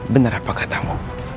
benar apa katamu